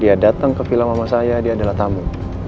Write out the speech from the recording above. dia datang ke film mama saya dia adalah tamu